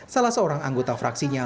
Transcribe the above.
salah seorang anggota fraksinya